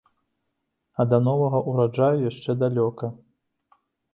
А да новага ўраджаю яшчэ далёка.